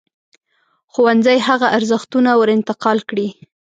ښوونځی هغه ارزښتونه ور انتقال کړي.